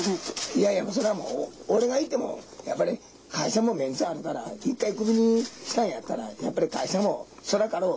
いやいやもう、それはもう、俺がいてもやっぱり会社もメンツあるから、一回首にしたんやったら、やっぱり会社もつらかろう。